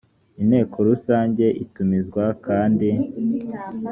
inteko rusange itumizwa kandi